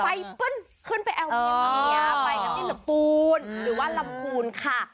ไปปึ้นขึ้นไปแอวเมืองเหนือไปกับที่เหลือปูนหรือว่าลำคูณค่ะ